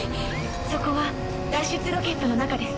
「そこは脱出ロケットの中です」